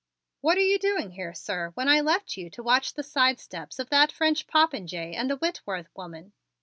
"What are you doing here, sir, when I left you to watch the side steps of that French popinjay and the Whitworth woman?